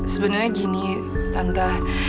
sebenernya gini tante